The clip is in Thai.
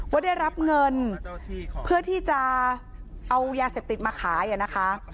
ว่าได้รับเงินเพื่อที่จะเอายาเสพติดมาขายนะคะ